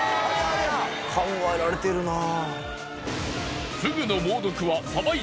考えられてるなぁ。